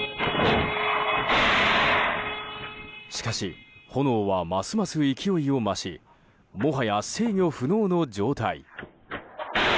しかし、炎はますます勢いを増しもはや制御不能の状態。